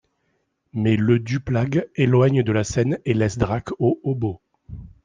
Mais le du Plague éloigne de la scène et laisse Drake au hobo.